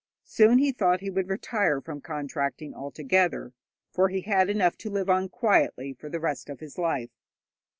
Soon he thought he would retire from contracting altogether, for he had enough to live on quietly for the rest of his life.